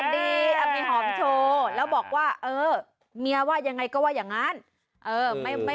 มีหอมโชว์แล้วบอกว่าเออเมียว่ายังไงก็ว่าอย่างนั้น